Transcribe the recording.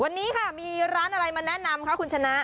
วันนี้ค่ะมีร้านอะไรมาแนะนำคะคุณชนะ